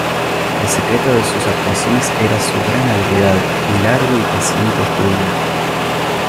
El secreto de sus actuaciones era su gran habilidad y largo y paciente estudio.